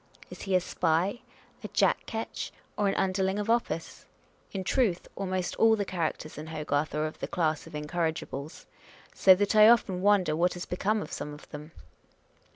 Is he a spy, a jack ketch, or an underling of office? In truth, almost all the characters in Hogarth are of the class of incorrigibles ; so that I often wonder what has become of some of them.